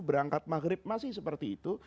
berangkat maghrib masih seperti itu